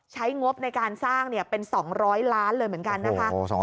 งบในการสร้างเป็น๒๐๐ล้านเลยเหมือนกันนะคะ